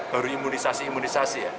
baru imunisasi imunisasi ya